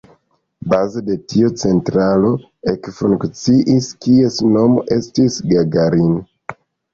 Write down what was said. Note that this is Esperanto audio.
Baze de tio centralo ekfunkciis, kies nomo estis Gagarin.